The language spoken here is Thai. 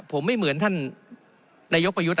ผมไม่เหมือนท่านนายกประยุทธ์